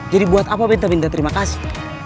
jadi buat apa binta binta terima kasih